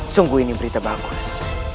sungguh ini berita bagus